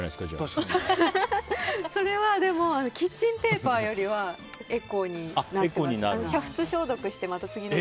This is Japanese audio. それはでもキッチンペーパーよりはエコになっています。